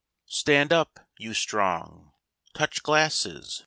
Stand up, you Strong! Touch glasses!